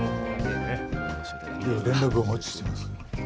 では連絡お待ちしてます。